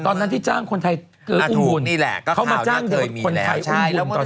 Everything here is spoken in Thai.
ตอนที่จ้างคนไทยเกิดอุ้มบุญเขามาจังเกิดคนไทยอุ้มบุญตอนนั้น